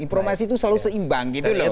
informasi itu selalu seimbang